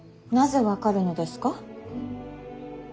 なぜ分かるのですか。